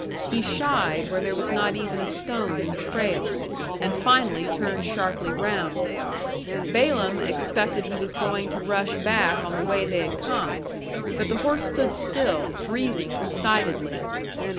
He shied where there was not even a stone in the trail, and finally turned sharply round. Balaam expected he was going to rush back on the way they had come; but the horse stood still, breathing excitedly.